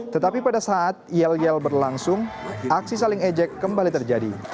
tetapi pada saat yel yel berlangsung aksi saling ejek kembali terjadi